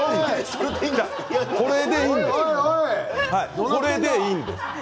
それでいいんです。